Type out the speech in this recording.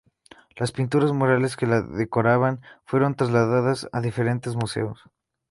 Las pinturas murales que la decoraban, fueron trasladadas a diferentes museos.